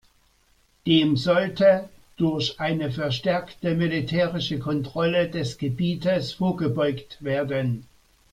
Dem sollte durch eine verstärkte militärische Kontrolle des Gebietes vorgebeugt werden.